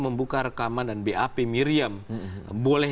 membuka rekaman dan bap miriam boleh